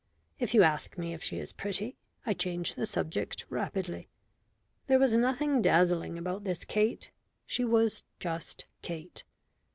If you ask me if she is pretty, I change the subject rapidly. There was nothing dazzling about this Kate. She was just Kate.